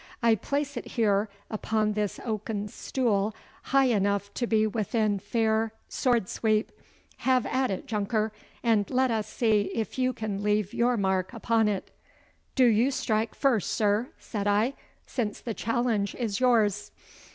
I place it here upon this oaken stool high enough to be within fair sword sweep. Have at it, Junker, and let us see if you can leave your mark upon it!' 'Do you strike first, sir,' said I, 'since the challenge is yours.